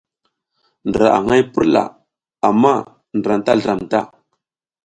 Ndra aƞ hay purla amma ndra anta zliram ta.